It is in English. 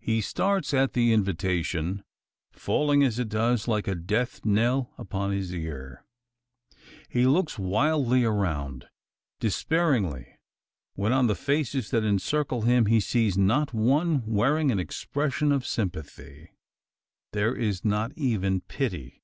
He starts at the invitation falling, as it does, like a death knell upon his ear. He looks wildly around. Despairingly: when on the faces that encircle him he sees not one wearing an expression of sympathy. There is not even pity.